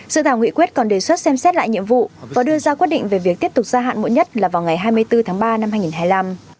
dự thảo nghị quyết còn đề xuất xem xét lại nhiệm vụ và đưa ra quyết định về việc tiếp tục gia hạn muộn nhất là vào ngày hai mươi bốn tháng ba năm hai nghìn hai mươi năm